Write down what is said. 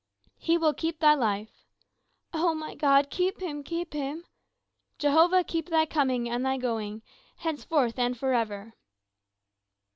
"He will keep thy life, "O my God! Keep him keep him! "Jehovah keep thy coming and thy going Henceforth and forever!"